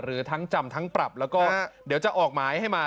หรือทั้งจำทั้งปรับแล้วก็เดี๋ยวจะออกหมายให้มา